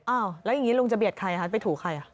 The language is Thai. อ้าวแล้วอย่างนี้ลุงจะเบียดใครคะไปถูใคร